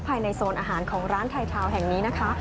ภายในโซนอาหารของร้านไททาวน์แห่งนี้นะคะ